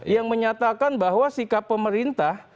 yang menyatakan bahwa sikap pemerintah